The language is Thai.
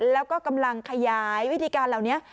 แล้วก็กำลังขยายวิธีการเหล่านี้